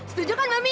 setuju kan mami